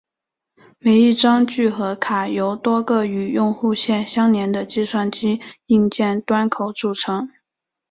每一张聚合卡由多个与用户线相连的计算机硬件端口组成。